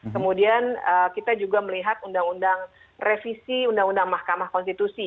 kemudian kita juga melihat undang undang revisi undang undang mahkamah konstitusi